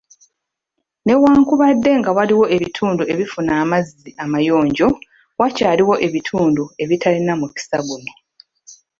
Newankubadde nga waliwo ebitundu ebifuna amazzi amayonjo, wakyaliwo ebitundu ebitalina mukisa guno